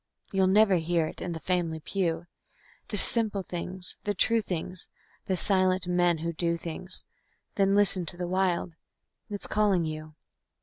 (You'll never hear it in the family pew.) The simple things, the true things, the silent men who do things Then listen to the Wild it's calling you.